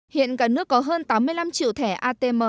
hiện cả nước có hơn tám mươi năm triệu thẻ atm